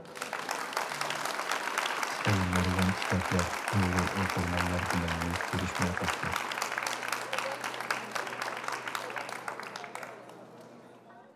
تېخى نۇرغۇن كىتابلار ئۇيغۇر ئوقۇرمەنلەر بىلەن يۈز كۆرۈشمەي قاپتۇ.